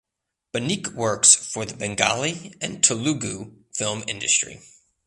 Banik works for the Bengali and Telugu film industry.